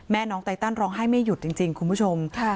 น้องไตตันร้องไห้ไม่หยุดจริงคุณผู้ชม